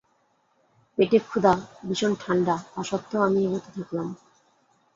পেটে ক্ষুধা, ভীষণ ঠান্ডা, তা সত্ত্বেও আমি এগোতে থাকলাম।